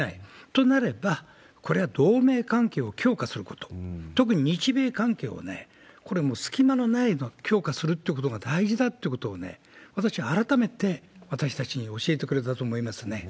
となれば、これは同盟関係を強化すること、特に日米関係を、これはもう、隙間のないような強化するってことが大事だということを、私、改めて私たちに教えてくれたと思いますね。